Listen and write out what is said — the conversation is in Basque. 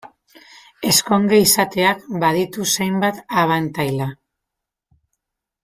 Ezkonge izateak baditu zenbait abantaila.